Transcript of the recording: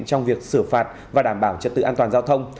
trong việc sửa phạt và đảm bảo chất tự an toàn giao thông